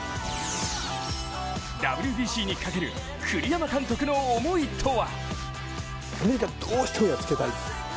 ＷＢＣにかける栗山監督の思いとは？